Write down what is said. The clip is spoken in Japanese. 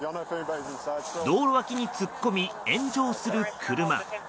道路脇に突っ込み、炎上する車。